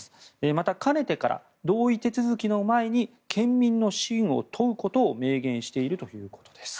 また、かねてから同意手続きの前に県民の信を問うことを明言しているということです。